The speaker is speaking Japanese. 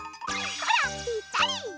ほらぴったり！